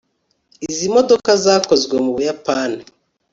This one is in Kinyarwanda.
izi modoka zakozwe mu buyapani